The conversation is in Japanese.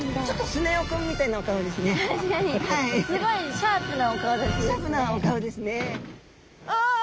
シャープなお顔ですね。